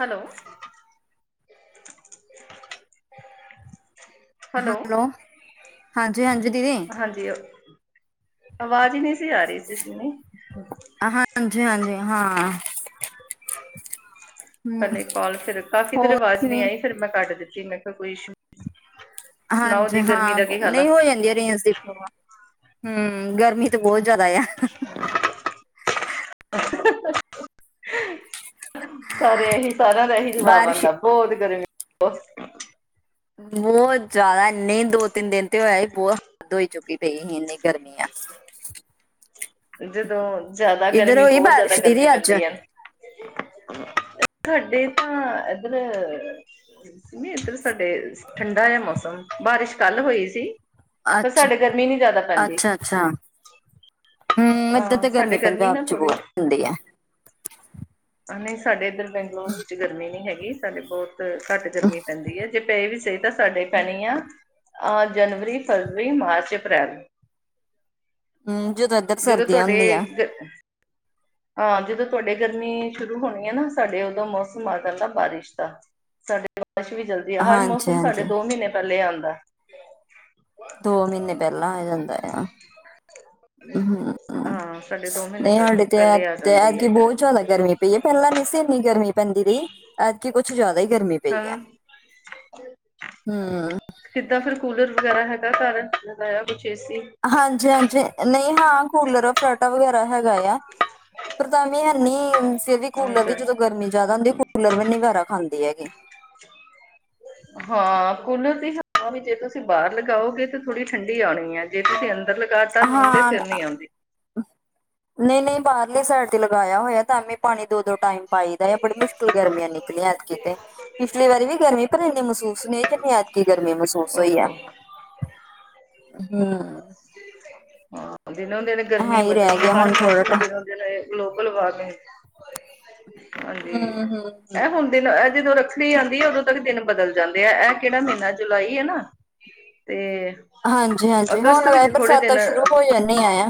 Hello! Hello ਹਾਂਜੀ-ਹਾਂਜੀ ਦੀਦੀ ਵਧੀਆ ਆਵਾਜ਼ ਈ ਨੀ ਸੀ ਆ ਰੀ ਸੀ ਸੀਮੀ। ਹਾਂਜੀ-ਹਾਂਜੀ-ਹਾਂ ਪੈਲੇ ਕੋਲ ਤੇ ਲਿਤਾ ਸੀ ਫੇਰ ਹੋਰ ਆਵਾਜ਼ ਨਹੀਂ ਕਿਵੇਂ ਆਈ ਫੇਰ ਮੈਂ ਕੱਟ ਦਿੱਤੀ ਮੈਂ ਕੇਆ ਕੋਈ ਈਸ਼ੂ ਹਾਂਜੀ ਹਾਂ, ਦਾ ਕੀ ਹਾਲ ਆ ਨਈ ਹੋ ਜਾਂਦੀ ਏ ਰੇਂਜ ਦੀ ਪਰੋਬਲਮ ਹੂੰ ਗਰਮੀ ਤੇ ਬੋਹਤ ਜਿਆਦਾ ਆ। ਸਾਰੇ ਐਹੀ ਸਾਰਿਆਂ ਦਾ ਐਹੀ ਜਵਾਬ ਬਾਰਿਸ਼ ਆਂਦਾ ਬੋਤ ਗਰਮੀ ਓ ਬੋਹਤ ਜਾਦਾ ਐਨੀ ਦੋ-ਤਿੰਨ ਦਿਨ ਤੇ ਹੈ ਈ ਬੋ ਹੱਦ ਹੋਈ ਚੁੱਕੀ ਪਈ ਈ ਇੰਨੀ ਗਰਮੀ ਆ। ਜਦੋਂ ਜਾਦਾ ਇੱਧਰ ਗਰਮੀ ਹੋਈ ਬੋਤ ਜਾਦਾ ਬਾਰਿਸ਼ ਗਰਮੀ ਦੀਦੀ ਅੱਜ ਪੈਂਦੀ ਏ ਨਾ ਤੁਆਡੇ ਤਾਂ ਐਧਰ ਨੀ ਐਧਰ ਸਾਡੇ ਠੰਡਾ ਏ ਮੌਸਮ, ਬਾਰਿਸ਼ ਕੱਲ ਹੋਈ ਸੀ। ਪਰ ਅੱਛਾ, ਸਾਡੇ ਗਰਮੀ ਨੀ ਜ਼ਿਆਦਾ ਪੈਂਦੀ ਅੱਛਾ-ਅੱਛਾ। ਹੂੰ ਏਦਾਂ ਹਾਂ ਤੇ ਸਾਡੇ ਗਰਮੀ ਪੰਜਾਬ ਨਾ ਚ ਥੋੜੀ ਬੋਤ ਹੁੰਦੀ ਐ। ਨਈ ਸਾਡੇ ਇੱਧਰ ਬੰਗਲੌਰ ਵਿੱਚ ਗਰਮੀ ਨੀ ਹੈਗੀ ਸਾਡੇ ਬੋਤ ਕੱਟ ਗਰਮੀ ਪੈਂਦੀ ਏ ਜੇ ਪਏ ਵੀ ਸਈ ਤੇ ਸਾਡੇ ਪੈਣੀ ਆ ਅ ਜਨਵਰੀ, ਫਰਵਰੀ, ਮਾਰਚ, ਅਪ੍ਰੈਲ ਹਮ ਜਦੋਂ ਇੱਧਰ ਜਦੋਂ ਸਰਦੀਆਂ ਤੁਆਡੇ ਹੁੰਦੀਆਂ ਹਾਂ ਜਦੋਂ ਤੁਆਡੇ ਗਰਮੀ ਸ਼ੁਰੂ ਹੋਣੀ ਏ ਨਾ ਸਾਡੇ ਓਦੋਂ ਮੌਸਮ ਆ ਜਾਂਦਾ ਬਾਰਿਸ਼ ਦਾ ਸਾਡੇ ਬਾਰਿਸ਼ ਵੀ ਜਲਦੀ ਹੈ ਹਰ ਹਾਂਜੀ ਮੌਸਮ ਸਾਡੇ ਹਾਂਜੀ ਦੋ ਮੀਨੇ ਪੈਲੇ ਆਂਦਾ। ਦੋ ਮੀਨੇ ਪੈਲਾਂ ਆ ਜਾਂਦਾ ਆ। ਹਮ ਹਾਂ ਸਾਡੇ ਦੋ ਮੀਨੇ ਨਹੀਂ ਪੈਲੇ ਸਾਡੇ ਤੇ ਐਤ ਪੈਲੇ ਆ ਤੇ ਜਾਂਦੀ ਐਤਕੀ ਏ ਬਹੁਤ ਗਰਮੀ ਜ਼ਿਆਦਾ ਗਰਮੀ ਪਈ ਏ ਪੈਲਾਂ ਨੀ ਸੀ ਇੰਨੀ ਗਰਮੀ ਪੈਂਦੀ ਰਈ ਐਤਕੀ ਕਿ ਕੁੱਛ ਜਿਆਦਾ ਈ ਗਰਮੀ ਪਈ ਐ। ਹਾਂ ਹੂੰ। ਕਿੱਦਾਂ ਫਿਰ ਕੂਲਰ ਵਗੈਰਾ ਹੈਗਾ ਕੱਰ ਲਗਿਆ ਕੁਛ ਏਸੀ ਹਾਂਜੀ-ਹਾਂਜੀ ਨਈ ਹਾਂ ਕੂਲਰ, ਫਰਾਟਾ ਵਗੈਰਾ ਹੈਗਾ ਆ, ਪਰ ਤਾਵੀ ਹੈਨੀ ਫਿਰ ਵੀ ਹਾਂ ਕੂਲਰ ਵੀ ਚਲ ਜਦੋਂ ਗਰਮੀ ਜਾਦਾ ਹੁੰਦੀ ਏ ਕੂਲਰ ਵੀ ਨੀ ਵਾਰਾ ਖਾਂਦੇ ਹੈਗੇ। [inaudible] ਹਾਂ, ਕੂਲਰ ਦੀ ਹਵਾ ਵੀ ਜੇ ਤੁਸੀਂ ਬਾਹਰ ਲਗਾਓਗੇ ਤਾਂ ਥੋੜੀ ਠੰਢੀ ਆਣੀ ਐ ਜੇ ਤੁਸੀਂ ਅੰਦਰ ਲਗਾ ਹਾਂ ਅ ਨਈ-ਨਈ ਬਾਹਰ ਲੇ ਸਾਈਡ ਤੇ ਲਗਾਇਆ ਹੋਇਆ ਤਾਂ ਵੀ ਪਾ਼ਨੀ ਦੋ-ਦੋ ਟਾਈਮ ਪਾਈ ਦਾ ਐ ਬੜੀ ਮੁਸ਼ਕਿਲ ਗਰਮੀਆਂ ਨਿਕਲੀਆਂ ਐਤਕਿ ਤੇ ਪਿਛਲੀ ਵਾਰੀ ਨੀ ਗਰਮੀ ਪਰ ਇੰਨੀ ਮਹਿਸੂਸ ਨੀ ਹੋਈ ਜਿੰਨੀ ਐੱਤਕੀ ਗਰਮੀ ਮਹਿਸੂਸ ਹੋਈ ਆ। [unintelligible] ਹਾਂ। ਹਾਂ ਦਿਨੋ-ਦਿਨ ਗਰਮੀ ਹੈ ਹੀ ਵਧਨੀ ਰਹਿ ਗਿਆ ਹਰ ਹੁਣ ਥੋੜਾ ਮੌਸਮ ਟਾਈਮ ਦਿਨੋ-ਦਿਨ ਗਲੋਬਲ ਵਾਰਮਿੰਗ [unintelligible] ਹਾਂਜੀ ਹੂੰ-ਹੂੰ-ਹੂੰ। ਐ ਹੁਣ ਦਿਨ ਐ ਜਦੋਂ ਰੱਖੜੀ ਆਂਦੀ ਐ ਓਦੋਂ ਤੱਕ ਦਿਨ ਬਦਲ ਜਾਂਦੇ ਐ ਐ ਕੇੜਾ ਮੀਨਾ ਜੁਲਾਈ ਏ ਨਾ ਤੇ ਹਾਂਜੀ-ਹਾਂਜੀ, ਅਗਸਤ ਹੁਣ ਵ ਵਿੱਚ ਥੋੜੇ ਦਿਨ ਬਰਸਾਤਾਂ ਸ਼ੁਰੂ ਹੋ ਜਾਂਨੀ ਐ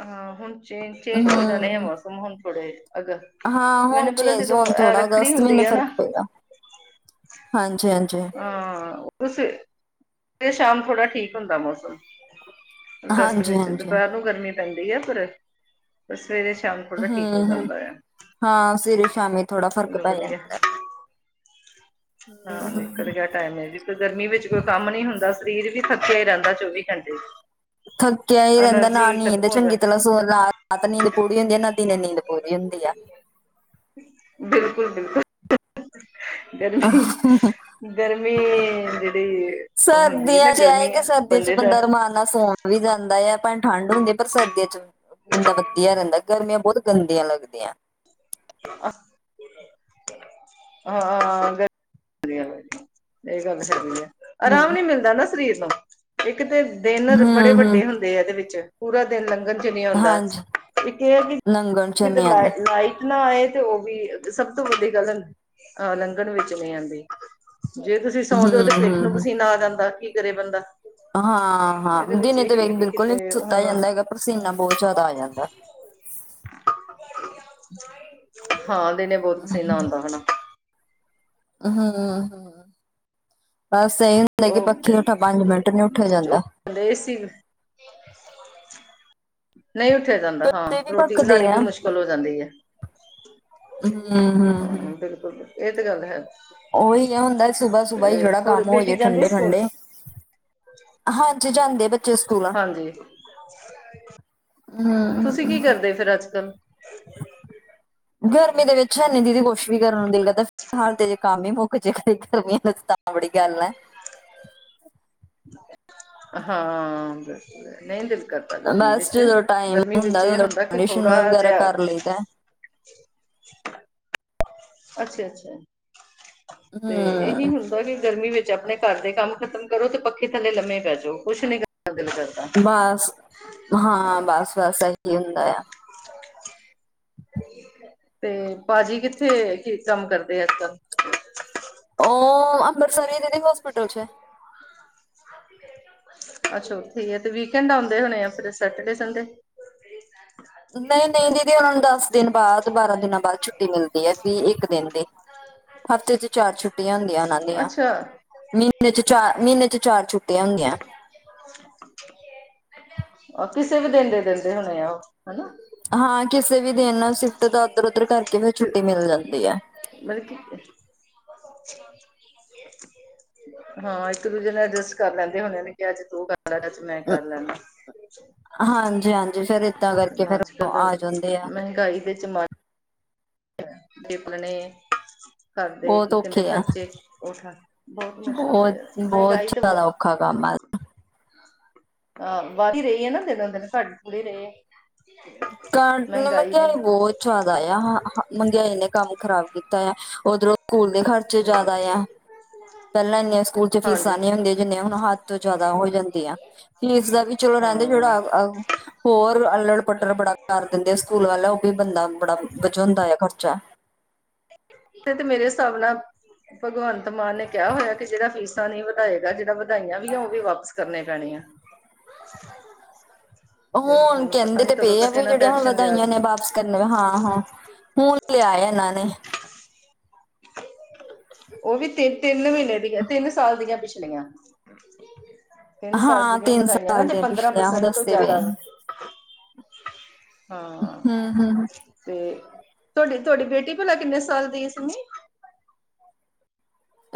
ਹਾਂ, ਹੁਣ ਚੇ ਚੇਂਜ ਹੋ ਜਾਣੇ ਐ ਹੂੰ-ਹੂੰ। ਮੌਸਮ ਹੁਣ ਥੋੜੇ ਅਗਰ ਹਾਂ, ਹੁਣ ਚੇਂਜ ਹੁਣ ਥੋੜਾ ਅਗਸਤ ਹੁੰਦੀ ਮੀਨੇ ਹੈ ਨਾ ਫ਼ਰਕ ਪਏਗਾ ਹਾਂਜੀ-ਹਾਂਜੀ। ਹਾਂ, ਤੁਸੀਂ ਫੇਰ ਸ਼ਾਮ ਥੋੜਾ ਠੀਕ ਹੁੰਦਾ ਮੌਸਮ ਅਗਸਤ ਵਿੱਚ ਹਾਂਜੀ-ਹਾਂਜੀ ਦੁਪਹਿਰ ਨੂੰ ਗਰਮੀ ਪੈਂਦੀ ਹੈ ਪਰ ਸਵੇਰੇ ਸ਼ਾਮ। ਥੋੜਾ ਠੀਕ ਹੋ ਹਮ-ਹਮ ਜਾਂਦਾ ਆ ਹਾਂ, ਸਵੇਰੇ ਸ਼ਾਮੀ ਥੋੜਾ ਫ਼ਰਕ ਚਲੋ ਪੈ ਵਧੀਆ ਜਾਂਦੈ। ਹਮ-ਹਮ। ਟੈਮ ਵੀ ਗਰਮੀ ਵਿੱਚ ਕੋਈ ਕੰਮ ਨੀ ਹੁੰਦਾ ਸਰੀਰ ਵੀ ਥੱਕਿਆ ਹੀ ਰਹਿੰਦਾ ਚੌਵੀ ਘੰਟੇ। ਥੱਕਿਆ ਹੀ ਰਹਿੰਦਾ ਨਾ ਐਨਰਜੀ ਨੀਂਦ ਖਤਮ ਹੋ ਚੰਗੀ ਜਾ ਤਰ੍ਹਾਂ ਸੋ ਨਾਲ। ਆਤ ਨੀਂਦ ਪੂੜੀ ਹੁੰਦੀ ਆ ਨਾ ਦਿਨੇ ਨੀਂਦ ਪੂਰੀ ਹੁੰਦੀ ਆ। ਬਿਲਕੁਲ-ਬਿਲਕੁਲ ਗਰਮੀ। ਗਰਮੀ ਜਿਹੜੀ ਹੁੰਦੀ ਹੈ ਨਾ ਗਰਮੀ ਬੰਦੇ ਦਾ। ਸੋ ਵੀ ਜਾਂਦਾ ਹੈ, ਭੈਵੇ ਠੰਢ ਹੁੰਦੀ ਹੈ ਪਰ ਸਰਦੀਆਂ 'ਚ ਵੀ। ਬੰਦਾ ਵਧੀਆ ਰਹਿੰਦਾ ਗਰਮੀਆਂ ਬਹੁਤ ਗੰਦੀਆਂ ਲੱਗਦੀਐ। [unintelligible] ਹਾਂ। ਵਧੀਆ-ਵਧੀਆ ਇਹ ਗੱਲ ਸਹੀ ਐ ਅਰਾਮ ਹੂੰ, ਨੀ ਮਿਲਦਾ ਨਾ ਸਰੀਰ ਨੂੰ ਇੱਕ ਤੇ। ਦਿਨ ਬੜੇ ਹੂੰ-ਹੂੰ, ਵੱਡੇ ਹੁੰਦੇ ਆ ਇਹਦੇ ਵਿੱਚ। ਪੂਰਾ ਦਿਨ ਲੰਘਣ 'ਚ ਨਹੀਂ ਆਉਂਦਾ ਹਾਂਜੀ ਇੱਕ ਇਹ ਹੈ ਲੰਗਣ ਚ ਕਿ ਨੀ ਆਂਦੇ। ਲਾਈਟ। ਨਾ ਏਹ ਤੇ ਉਹ ਵੀ ਸਭ ਤੋਂ ਵਡੀ ਗੱਲ ਐ ਲੰਘਣ ਵਿੱਚ ਨਹੀਂ ਆਉਂਦੀ। ਜੇ ਤੁਸੀਂ ਸੌਂ ਉਹ ਤੇ ਪਿੱਠ ਨੂੰ ਹੂੰ-ਹੂੰ-ਹੂੰ, ਪਸੀਨਾ ਆ ਜਾਂਦਾ ਕੀ ਕਰੇ ਬੰਦਾ। ਇਹਦੇ ਹਾਂ-ਹਾਂ, ਵਿੱਚ ਦਿਨੇ ਤੇ ਇਹੀ ਹੈ ਕਿ ਵੇਖਬਿਲਕੁਲ ਨਹੀਂ ਕਿਤੇ ਸੁੱਤਾ ਹੁਣ ਜਾਂਦਾ ਹੈਗਾ ਪਸੀਨਾ ਬਹੁਤ ਜਿਆਦਾ ਆ ਜਾਂਦੈ।। ਹਾਂ, ਦਿਨੇ ਬਹੁਤ ਪਸੀਨਾ ਆਉਂਦਾ। ਹਮ-ਹਮ ਬਸ ਇਹ। ਲੈ ਕੇ ਪੱਖੀ ਉਠ ਪੰਜ ਮਿੰਟ ਨੀ ਉੱਠਿਆ ਜਾਂਦਾ। ਗਏ ਸੀ। ਨਹੀਂ ਉੱਠਿਆ ਜਾਂਦਾ ਹਾਂ, ਗੱਦੇ ਵੀ ਰੋਟੀ ਪੱਕਦੇ ਬਣਾਉਣੀ ਵੀ ਆ, ਮੁਸ਼ਕਿਲ ਹੋ ਜਾਂਦੀ ਹੈ। ਹਮ-ਹਮ, ਹਮ। ਹਾਂ ਇਹ ਤੇ ਗੱਲ ਹੈ। ਉਹੀ ਹੈ ਹੁੰਦਾ ਸੁਬਾ-ਸੁਬਾ ਹੀ ਤੇ ਜਿਹੜਾ ਹੋਰ ਕੰਮ ਹੋ ਬੇਟੀ ਜੇ ਜਾਂਦੀ ਠੰਡੇ- ਸਕੂਲ? ਠੰਡੇ। ਹਾਂਜੀ, ਜਾਂਦੇ ਬੱਚੇ ਸਕੂਲ। ਹਾਂਜੀ, ਹੂੰ, ਤੁਸੀਂ ਕੀ ਕਰਦੇ ਫਿਰ ਅੱਜ-ਕੱਲ? ਗਰਮੀ ਦੇ ਵਿੱਚ ਹੈਨੀੇ ਦੀਦੀ ਕੋਸ਼ਿਸ਼ ਵੀ ਕਰਨ ਨੂੰ ਦਿਲ ਕਰਦਾ। ਫਿਲਹਾਲ ਤੇ ਜੇ ਕੰਮ ਹੀ ਮੁੱਕ ਜੇ ਗਰਮੀਆਂ ਤਾਂ ਬੜੀ ਗੱਲ ਹੈ। ਹਾਂ, ਬੱਸ ਨਹੀਂ ਦਿਲ। ਗਰਮੀ ਬਸ ਵਿੱਚ, ਜਦੋਂ ਟਾਈਮ ਗਰਮੀ ਵਿੱਚ ਏਹ ਉਦੋਂ ਹੁੰਦਾ ਕਿ ਕੰਡੀਸ਼ਨ ਥੋੜਾ ਵਗੈਰਾ ਜਿਹਾ। ਕਰ ਲਈਦਾ ਅੱਛਾ-ਅੱਛਾ ਤੇ ਏਹੀ। ਹਮ ਬੜੀ ਗਰਮੀ ਵਿੱਚ ਆਪਣੇ ਘਰ ਦੇ ਕੰਮ ਖਤਮ ਕਰੋ ਤੇ ਪੱਖੇ ਥੱਲੇ ਲੰਮੇ ਪੈ ਜਾਓ ਕੁੱਛ ਨੀ ਕਰ ਦਿਲ ਕਰਦਾ। ਬਸ, ਹਾਂ ਬਸ-ਬਸ ਇਹੀ ਹੁੰਦਾ ਐ। [inaudible] ਤੇ ਭਾਜੀ ਕਿੱਥੇ ਕੀ ਕੰਮ ਕਰਦੇ ਅੱਜ-ਕੱਲ। ਉਹ ਅੰਬਰਸਰ ਦੇ ਹੌਸਪਿਟਲ ਵਿੱਚ ਹੈ। [unintelligible] ਅੱਛਾ ਉਥੈ ਹੀ ਐ ਤੇ ਵੀਕਐਂਡ ਆਉਂਦੇ ਹੋਣੇ ਆ ਫਿਰ ਸੈਟਰਡੇ ਸੰਡੇ। ਨਹੀਂ -ਨਹੀਂ ਦੀਦੀ ਉਹਨਾਂ ਨੂੰ ਦਸ ਦਿਨ ਬਾਅਦ ਬਾਰਾਂ ਦਿਨਾਂ ਬਾਅਦ ਛੁੱਟੀ ਮਿਲਦੀ ਐ ਵੀ ਇੱਕ ਦਿਨ ਦੀ। ਹਫ਼ਤੇ ਚ ਚਾਰ ਛੁੱਟੀਆਂ ਹੁੰਦੀਆਂ ਉਨ੍ਹਾਂ ਦੀਆਂ। ਅੱਛਾ। ਮਹੀਨੇ ਚ ਚਾਰ, ਮਹੀਨੇ ਚ ਚਾਰ ਛੁੱਟੀਆਂ ਹੁੰਦੀਐ। ਕਿਸੇ ਵੀ ਦਿਨ ਦੇ ਦਿੰਦੇ ਹੋਣੇ ਆ ਉਹ ਹਨਾ। ਹਾਂ, ਕਿਸੇ ਵੀ ਦਿਨ ਸਿਫਟ ਤਾਂ ਉੱਧਰ- ਉਧਰ ਕਰਕੇ ਫਿਰ ਛੁੱਟੀ ਮਿਲ ਜਾਂਦੀ ਐ। ਮਤਲ ਕੀ [unintelligible] ਹਾਂ, ਇੱਕ ਦੂਜੇ ਨਾਲ ਐਡਜਸਟ ਕਾਰ ਲੈਂਦੇ ਹੂਨੇ ਨੇ, ਕਿ ਆੱਜ ਤੂੰ ਕਾਰ ਲੈ ਚ ਮੈਂ ਕਾਰ ਲੈਨਾ। ਹਾਂਜੀ ਹਾਂਜੀ ਫਿਰ ਏਦਾਂ ਕਰਕੇ [unintelligible] ਫਿਰ ਆੱਜ-ਕੱਲ ਆ ਜਾਂਦੇ ਆ ਮੈੰਹਗਾਈ ਦੇ ਜਮਾ [inaudible] ਕਰਦੇ, ਬਹੁਤ ਕੀ ਕੈਂਦੇ ਔਖੇ ਆ ਖਰਚੇ ਉਠਾ, ਬੋਤ ਮੁਸ਼ਕਲ ਬਹੁਤ ਐ ਯਾਰ, ਬਹੁਤ ਮੈੰਹਗਾਈ ਤੇ ਵ ਜ਼ਿਆਦਾ ਔਖਾ ਕੰਮ ਆ ਹਾਂ, ਵਾੱਦ ਈ ਰਈ ਐ ਨਾ, ਦਿਨੋ-ਦਿਨ, ਘਾੱਟ ਨੀ ਰੇ [inaudible] ਜਾਦਾ ਆ ਆਹ ਮੈੰਹਗੇਆਈ ਨੇ ਕਾੰਮ ਖ਼ਰਾਬ ਕੀਤਾ ਆ, ਓਦਰੋਂ ਸੂਕੂਲ ਦੇ ਖਰ ਚੇ ਹਮ ਜਾਦਾ ਆ। ਪ੍ਹੈਲਾਂ ਇੰਨੀਆਂ ਸੂਕੂਲ ਚ ਫੀਸਾਂ ਹਾਂਜੀ ਨੀ ਹੁੰਦੀਆਂ, ਜਿੰਨੀਆਂ ਹੁਨ ਹਾੱਦ ਤੋਂ ਜਾਦਾ ਹੋ ਜਾਂਦੀਆਂ। ਫੀਸ ਦਾ ਵੀ ਚਲੋ ਰੈਂਦੇ ਹਾਂ ਜੇੜਾ ਅ, ਅ ਹੋਰ ਅਲੜ-ਪੱਟਰ ਬੜਾ ਕਾਰ ਦੇਂਦੇ ਸੂਕੂਲ ਵਾਲੇ ਓ ਵੀ ਬੰਦਾ ਬੜਾ ਵਚਉਂਦਾ ਆ ਖਰਚਾ। ਇਥੇ ਤੇ ਮੇਰੇ ਸਾਬ ਨਾਲ, ਭਗਵੰਤ ਮਾਨ ਨੇ ਕੇਆ ਹੋਏਆ ਕਿ ਜੇੜਾ ਫੀਸ ਤਾ ਨੀ ਵਦਾਏਗਾ, ਜੇੜਾ ਵਦਾਈਆਂ ਵੀ ਆਓਗੇ, ਵਾਪਸ ਕਰਨੇ ਪੈਣੇ ਆ। ਓ ਹੁਨ ਹੁਣ ਪਤਾ ਕੈਂਦੇ ਨੀ ਤੇ ਕਦੋਂ ਪਏ ਆ, ਤੱਕ ਵੀ ਇਹਨਾਂ ਤੇ ਜੇੜੀਆਂ ਹੁਨ ਐਕਸ਼ਨ ਲਿਆ ਵਦਾਈਆਂ ਨੇ ਵਾਪਸ ਕੰਦੇ ਨੇ ਹਾਂ-ਹਾਂ, ਹੁਨ ਲੇਆਏ ਏਨਾਂ ਨੇ। ਓ ਵੀ ਤਿੰਨ-ਤਿੰਨ ਮ੍ਹੀਨੇ ਦੀਆਂ, ਤਿੰਨ ਸਾਲ ਦੀਆਂ ਪਿਛਲੀਆਂ। ਤਿੰਨ ਸਾਲ ਹਾਂ ਜੇੜੀਆਂ ਤਿੰਨ ਵਦਾਈਆਂ ਨਾ, ਸਾਲ ਤੇ ਦੀਆਂ ਪੰਦਰਾਂ ਪਿਛਲੀਆਂ ਉਹ ਪ੍ਰਸੈਂਟ ਤੋਂ ਦੱਸਦੇ ਪਏ ਜਾਦਾ ਵਾ। ਹਾਂ। ਹਮ ਹਮ ਤੇ, ਤੂਆਡੀ-ਤੂਆਡੀ ਬੇਟੀ ਭਲਾ ਕਿੰਨੇ ਸਾਲ ਦੀ ਸਿੱਮੀ?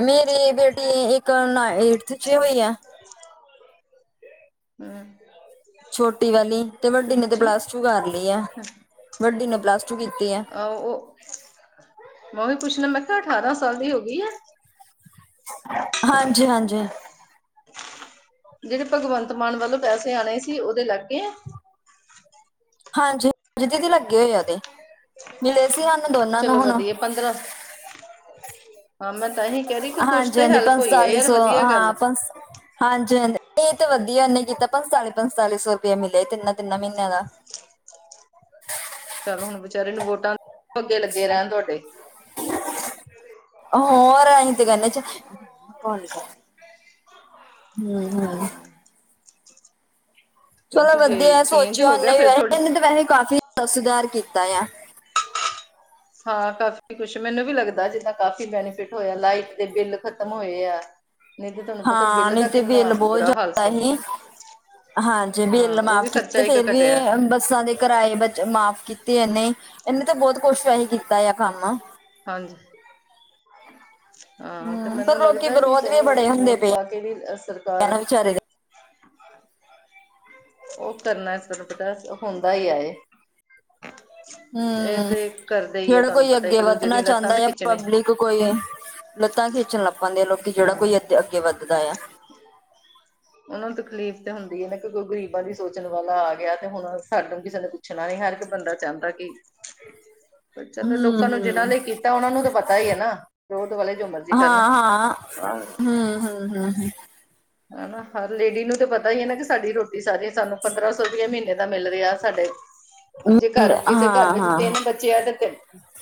ਮੇਰੀ ਬੇਟੀ ਏ ਏੱਕ ਨਾ ਏਟਥ ਚ ਹੋਈ ਆ ਹੂੰ। ਛੋਟੀ ਵਾਲੀ, ਤੇ ਵੱਡੀ ਨੇ ਤੇ ਪਲੱਸ ਟੂ ਕਾਰ ਲੀ ਆ, ਵੱਡੀ ਨੇ ਪਲੱਸ ਟੂ ਕੀਤੀ ਆ। ਆ ਓ ਮੈਂ ਓਹੀ ਪੁੱਛਨਾ, ਮੈਂ ਕੇਆ ਅਠਾਰਾਂ ਸਾਲ ਦੀ ਹੋ ਗਈ ਆ? ਹਾਂਜੀ-ਹਾਂਜੀ। ਜੇੜੇ ਭਗਵੰਤ ਮਾਨ ਵੱਲੋਂ ਪੈਸੇ ਆਣੇ ਸੀ, ਓਦੇ ਲਾੱਗਗੇ ਆ? ਹਾਂਜੀ, ਜੀ ਦੀਦੀ ਲੱਗੇ ਹੋਏ ਆ ਓਦੇ, ਮਿਲੇ ਸੀ ਆਨੂੰ ਦੋਨਾਂ ਨੂੰ ਚਲੋ ਹੁਨ। ਵਧੀਆ [inaudible] ਹੀ ਕਹਿ ਰਹੀ ਕਿ ਕੁਛ ਤੇ ਹਾਂਜੀ-ਹਾਂਜੀ, ਹੈਲਪ ਹੋਈ ਆ ਪੰਤਾਲੀ ਯਾਰ ਸੌ, ਵਧੀਆ ਹਾਂ, ਗੱਲ ਪੰਸ, ਹਾਂਜੀ-ਹਾਂਜ ਤੇ ਏ ਤੇ ਵਦੀਆ ਉਨੇ ਈ ਕੀਤਾ, ਪੰਸਾਲੀ-ਪੰਸਾਲੀ ਸੌ ਰੁਪੇਆ ਮਿਲੇਆ ਈ ਤਿੰਨਾਂ-ਤਿੰਨਾਂ ਮ੍ਹੀਨਿਆਂ ਦਾ। ਚੱਲ ਹੁਨ ਵਚਾਰੇ ਨੂੰ ਵੋਟਾਂ [unintelligible] ਅੱਗੇ ਲੱਗੇ ਰੈਨ ਤੂਆਡੇ। ਹੋਰ, ਐਈ ਤੇ ਗਾੱਲ ਏ ਚ [unintelligible] ਹਮ [inaudible] ਚਲੋ ਕਿਉਂਕਿ ਜੇ ਵਦੀਐ ਚੇਂਜ ਸੋਚੇਐ ਹੋ ਗਿਆ ਓਨੇ ਫਿਰ ਵੈਸੇ, ਥੋੜੀ ਇੱਨੇ ਤੇ ਵੈਸੇ ਕਾਫ਼ੀ ਸੁਦਾਰ ਕੀਤਾ ਆ। ਹਾਂ, ਕਾਫੀ ਕੁੱਛ, ਮੈਨੂੰ ਵੀ ਲੱਗਦਾ ਜਿੱਦਾ ਕਾਫੀ ਬੈਨੀਫਿਟ ਹੋਏਆ, ਲਾਈਟ ਦੇ ਬਿੱਲ ਖਤਮ ਹੋਏ ਆ। ਨੀ ਤੇ ਤੂਆਨੂੰ ਪਤੈ ਹਾਂ ਬਿੱਲ ਨਹੀਂ ਦਾ ਤੇ ਕਿੰਨਾ ਬਿੱਲ ਬਹੁਤ ਬੁਰਾ ਹਾਲ ਜ਼ਿਆਦਾ ਸੀ। ਹੀ ਹਾਂਜੀ ਹਾਂ ਬਿੱਲ ਉਹ ਵੀ ਮਾਫ਼ ਖਰਚਾ ਕੀਤੇ, ਇੱਕ ਫੇਰ ਵੀ ਘਟਿਆ ਏ ਬੱਸਾਂ ਦੇ ਕਰਾਏ ਬਚ ਮਾਫ਼ ਕੀਤੇ ਏਨੇ, ਏਨੇ ਤੇ ਬੋਤ ਕੁੱਛ ਸਈ ਕੀਤਾ ਆ ਕਾੰਮ। ਹਾਂਜੀ। [unintelligible] ਹਾਂ, ਤੇ ਹਮ ਮੈਨੂੰ ਪਰ ਲੋਕੀ ਲਗਦੈ ਕਿ ਵਿਰੋਧ ਵੀ ਚੱਲ ਬੜੇ ਹੁੰਦੇ ਪਏ ਵੋਟਾਂ ਤੇ ਵੀ ਐ ਆ ਸਰਕਾਰ ਨਾ ਵਿਚਾਰੇ ਦੇ ਓ ਕਰਨੈ ਸਰ ਪਤਾਸ, ਹੁੰਦਾ ਈ ਐ ਏ। ਏ ਹਮ ਤੇ ਕਰਦੇ ਈ ਏ ਜਿਹੜਾ ਤੂਆਨ ਪਤੈ, ਇੱਕ-ਦੂਜੇ ਦੀ ਲੱਤਾਂ ਦੇ ਖਿੱਚਨੀ। ਕ ਕੋਈ ਏ, ਲੱਤਾਂ ਖਿੱਚਨ ਲਾੱਗ ਪੈਂਦੇ ਆ, ਲੋਕੀ ਜੇੜਾ ਹਾਂ ਕੋਈ ਅੱਗੇ-ਅੱਗੇ ਵੱਦਦਾ ਆ। ਉਨਾਂ ਨੂੰ ਤਕਲੀਫ਼ ਤੇ ਹੁੰਦੀ ਏ ਨਾ ਕਿ ਕਈ ਗਰੀਬਾਂ ਦੀ ਸੋਚਣ ਵਾਲਾ ਆ ਗਿਆ ਤਾ ਹੂਨ ਸਾਨੂੰ ਕਿਸੇ ਪੁੱਛ ਨੇ ਪੁੱਛਣਾ ਵੀ ਹਰ ਇੱਕ ਬੰਦਾ ਚਾਂਦਾ ਕਿ ਚਲੋ ਲੋਕਾਂ ਹਮ ਨੂੰ ਜਿਨਾਂ ਹਮ ਲਈ ਕੀਤਾ ਉਹਨਾਂ ਨੂੰ ਤੇ ਪਤਾ ਈ ਏ ਨਾ ਵੋਟ ਵਾਲੇ ਜੋ ਮਰਜ਼ੀ ਕਰਨ। ਆ‌ ਹੂੰ-ਹੂੰ, ਹੂੰ-ਹੂੰ ਹਨਾ ਹਰ ਲੇਡੀ ਨੂੰ ਤੇ ਪਤਾ ਈਏ ਨਾ ਕਿ ਸਾਡੀ ਰੋਟੀ ਸਾਰੀ ਸਾਨੂੰ ਪੰਦਰਾਂ ਸੌ ਰੁਪਇਆ ਮੀਨੇ ਦਾ ਮਿਲ ਰਿਆ ਸਾਡੇ ਜੇ ਕਾਰ ਕਿਸੇ ਕਾਰ ਹਾਂ ਵਿੱਚ ਹਾਂ ਤਿੰਨ ਬੱ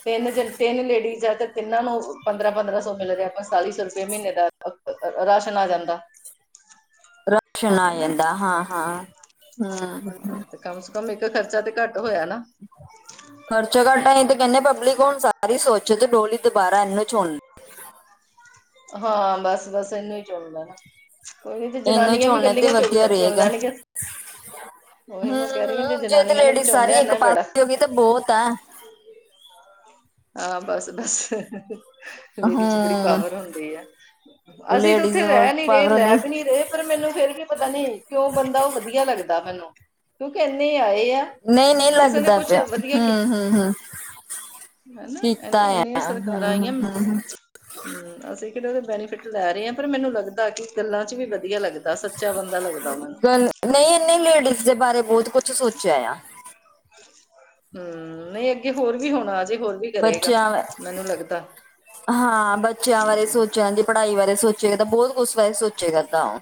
ਤਿੰਨ ਜ ਤਿੰਨ ਲੇਡੀਜ਼ ਆ ਤਿੰਨਾਂ ਨੂੰ ਪੰਦਰਾਂ-ਪੰਦਰਾਂ ਸੌ ਮਿਲ ਰਿਹਾ ਪਨਤਾਲੀ ਸੌ ਰੁਪਏ ਮੀਨੇ ਦਾ ਰਾਸ਼ਨ ਆ ਜਾਂਦਾ। ਰਾਸ਼ਨ ਆ ਹਨਾ ਜਾਂਦਾ ਹਾਂ-ਹਾਂ ਹੂੰ ਹੂੰ, ਹੂੰ। ਹਾਂ ਤੇ ਕਮ ਸੇ ਕਮ ਇੱਕ ਖਰਚਾ ਤੇ ਕੱਟ ਹੋਇਆ ਨਾ। ਖਰਚਾ ਘੱਟ ਆ ਤੇ ਕਹਿੰਦੇ ਪਬਲਿਕ ਹੁਣ ਸਾਰੀ ਸੋਚੇ ਤੇ [unintelligible] ਦੁਬਾਰਾ [unintelligible] ਏਨੂੰ ਚੁਣ। ਹਾਂ ਬਸ-ਬਸ ਇਨੂੰ ਈ ਚੁਣ ਲੈਣ। ਓਹੀ ਤੇ ਇਹਨੂੰ ਜਨਾਨੀਆਂ ਵੀ ਚੁਣਨੇ ਤੇ ਕੱਲੀਆਂ ਚੁਗ ਵਧੀਆ ਚੁਣ ਰਹੇਗਾ ਲੈਣਗੀਆਂ। ਉਹੀ ਹਮ ਮੈਂ ਕਹਿ ਰਹੀ ਆ ਹਮ ਜੇ ਜਨਾਨੀਆਂ ਨੇ ਵੀ ਚੁਣ ਲਿਆ ਏਨਾ ਈ ਬੜਾ। ਤੇ ਬੋਤ ਐ। ਹਾਂ ਬੱਸ-ਬੱਸ। ਲੇਡੀ ਚ ਬੜੀ ਹਮ ਪਾਵਰ ਹੁੰਦੀ ਐ, ਅਸੀਂ ਤੇ ਲੇਡੀਜ਼ ਉੱਥੇ ਰੈ ਨੀ ਪਾਵਰ ਲੈ ਦੇ ਵੀ ਨੀ ਰੇ। ਪਰ ਮੈਨੂੰ ਫੇਰ ਵੀ ਪਤਾ ਨੀ ਕਿਉਂ ਬੰਦਾ ਉਹ ਵਧੀਆ ਲੱਗਦਾ ਮੈਨੂੰ। ਕਿਉਂਕਿ ਇੰਨੇ ਆਏ ਆ ਕਿਸੇ ਨੇ ਕੁਛ ਵਧੀਆ ਕੀ ਹੂੰ-ਹੂੰ। ਹਨਾ ਇੰਨੇ ਇੰਨੀਆ ਸਰਕਾਰਾ ਆਈਆ ਹਮ ਅਸੀਂ ਕੇੜਾ ਇਦਾ ਬੈਨੀਫਿਟ ਲੈ ਰਹੇ ਆ ਪਰ ਮੈਨੂੰ ਲੱਗਦਾ ਕਿ ਗੱਲਾਂ ਚ ਵੀ ਵਧੀਆ ਲੱਗ ਦਾ ਸੱਚਾ ਬੰਦਾ ਲੱਗਦਾ ਮੈਨੂੰ। ਨਈ ਇਨੇ ਲੇਡੀਜ਼ ਦੇ ਬਾਰੇ ਬੋਤ ਕੁਛ ਸੋਚਿਆ ਆ। ਹੂੰ ਨਈ ਅੱਗੇ ਹੋਰ ਵੀ ਹੋਣਾ ਅਜੇ ਹੋਰ ਵੀ ਕਰੇਗਾ ਬੱਚਿਆ ਮੈਨੂੰ ਲੱਗਦਾ ਹਾਂ ਬੱਚਿਆ ਬਾਰੇ ਹਮ ਸੋਚ ਬੱਚਿਆਂ ਦੀ ਪੜ੍ਹਾਈ ਬਾਰੇ ਸੋਚਿਆ ਗਾ ਤਾਂ ਬੋਤ ਕੁਛ ਬਾਰੇ ਸੋਚ ਕਰਦਾ ਔ।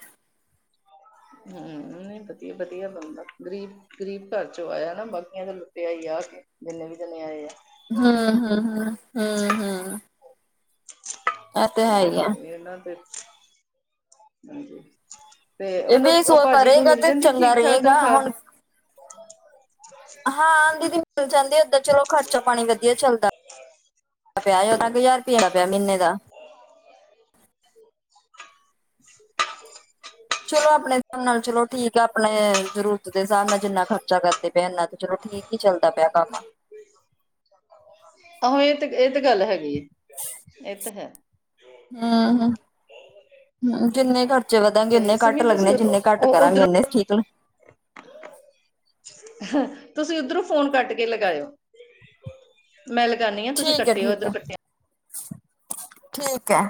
ਹੂੰ ਨਈ ਵਧੀਆ-ਵਧੀਆ ਬੰਦਾ, ਗਰੀਬ ਗਰੀਬ ਘਰ ਚੋਂ ਆਇਆ ਨਾ ਬਾਕੀਆਂ ਤਾਂ ਲੁਟਿਆ ਈ ਆ ਕੇ ਜਿੰਨੇ ਵੀ ਜਨੇ ਆਏ ਆ। ਹੂੰ-ਹੂੰ, ਹੂੰ-ਹੂੰ, ਹੂੰ। [unintelligible] ਹੀ ਆ। ਤੇ ਇਹ ਉਨੂੰ ਵੀ ਸੋ ਉਹ ਭਾਜੀ ਨੂੰ ਕਰੇਗਾ ਮਿਲ ਤੇ ਜਾਂਦੀ ਚੰਗਾ ਠੀਕ-ਠਾਕ ਰਹੇਗਾ ਤਨਖ਼ਾਹ। ਹੁਣ ਹਾਂ, ਦੀਦੀ ਮਿਲ ਜਾਂਦੀ ਏਦਾਂ ਚਲੋ ਖਰਚਾ ਪਾਨੀ ਵਧੀਆ ਚੱਲਦਾ। [unintelligible] ਮਹੀਨੇ ਦਾ। ਚਲੋ ਅਪਣੇ [unintelligible] ਨਾਲ ਚਲੋ ਠੀਕ ਆ ਅਪਣੇ ਨੇ ਜਰੂਰਤ ਦੇ ਹਸਾਬ ਨਾਲ ਜਿੰਨਾ ਖਰ ਚਾ ਕਰਦੇ ਪਏ ਆ ਐਨਾ ਤੇ ਚਲੋ ਠੀਕ ਈ ਚੱਲਦਾ ਪਿਆ ਕੰਮ। ਆਹੋ ਐਤੇ ਐ ਤੇ ਗੱਲ ਹੈਗੀ ਏ ਐ ਤੇ ਹੈ। ਹਾਂ-ਹਾਂ ਕਿੰਨੇ ਖਰ ਚੇ [unintelligible] ਜਿੰਨੇ ਤੇ ਉਨੇ ਕਾਟ ਸਿਮੀ ਤੁਸੀਂ ਲੱਗਣੇ ਜਿੰਨੇ ਕਾਟ ਕਰਾਂਗੇ ਉਧਰੋਂ ਉਨੇ ਠੀਕ ਨੇ। ਤੁਸੀਂ ਉੱਧਰੋਂ ਫੋਨ ਕੱਟ ਕੇ ਲਗਾਇਓ। ਮੈਂ ਲਗਾਣੀ ਆ। ਤੁਸੀਂ ਠੀਕ ਐ, ਕੱਟਿਓ ਠੀਕ ਐ, ਇੱਧਰੋਂ ਕੱਟਿਆ ਠੀਕ ਐ।